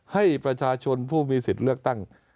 ให้ประชาชนผู้มีสิทธิ์เลือกตั้ง